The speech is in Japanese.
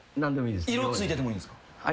色ついててもいいんすか？